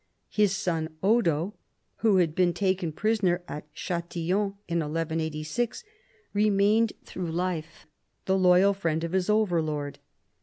His son Odo, who had been taken prisoner at Chatillon in 1186, remained through life the loyal friend of his overlord.